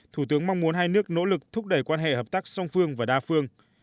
thủ tướng mong muốn hai nước nỗ lực thúc đẩy quan hệ hợp tác song phương và đa phương